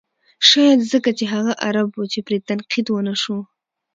شاید ځکه چې هغه عرب و چې پرې تنقید و نه شو.